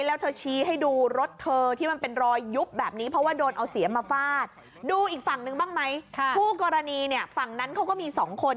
แล้วเธอชี้ให้ดูรถเธอที่มันเป็นรอยยุบแบบนี้